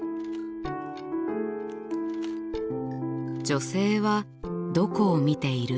女性はどこを見ている？